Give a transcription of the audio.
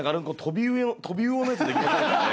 トビウオのやつできませんかね？